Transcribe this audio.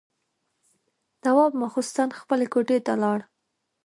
تواب ماخستن خپلې کوټې ته لاړ.